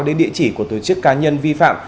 đến địa chỉ của tổ chức cá nhân vi phạm